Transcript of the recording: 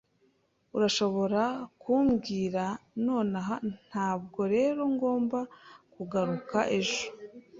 Urashobora kumbwira nonaha, ntabwo rero ngomba kugaruka ejo?